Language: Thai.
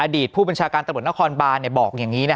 ผู้บัญชาการตำรวจนครบานบอกอย่างนี้